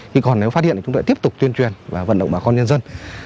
nhưng còn nếu phát hiện thì chúng tôi tiếp tục tuyên truyền và vận động bà con nhân dân